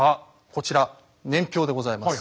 こちら年表でございます。